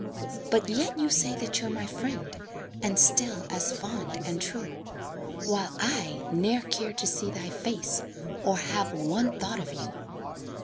But yet you say that you're my friend, And still as fond and true; While I ne'er care to see thy face, Or have one thought of you.